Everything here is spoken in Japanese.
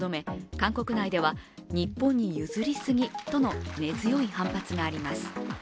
韓国内では、日本に譲りすぎとの根強い反発があります。